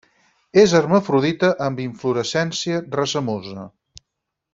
És hermafrodita, amb inflorescència racemosa.